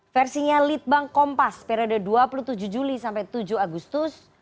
versinya litbang kompas periode dua puluh tujuh juli sampai tujuh agustus